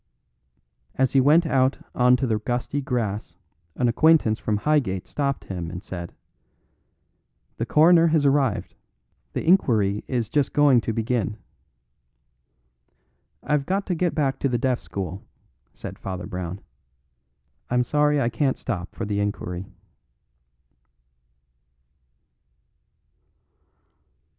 As he went out on to the gusty grass an acquaintance from Highgate stopped him and said: "The Coroner has arrived. The inquiry is just going to begin." "I've got to get back to the Deaf School," said Father Brown. "I'm sorry I can't stop for the inquiry."